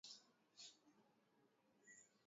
Magonjwa yanayosababisha mimba kutoka